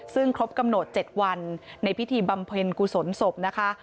ซึ่งครบกำหนด๗วันในพิธีบำเพ็ญกุศลศพนะคะ